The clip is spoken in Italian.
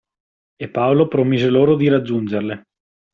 E Paolo promise loro di raggiungerle.